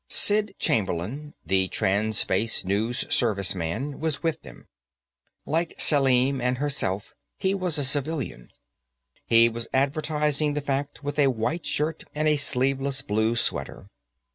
Sid Chamberlain, the Trans Space News Service man, was with them. Like Selim and herself, he was a civilian; he was advertising the fact with a white shirt and a sleeveless blue sweater.